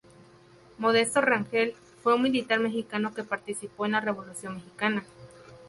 Modesto Rangel fue un militar mexicano que participó en la Revolución mexicana.